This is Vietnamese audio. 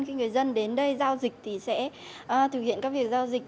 khi người dân đến đây giao dịch thì sẽ thực hiện các việc giao dịch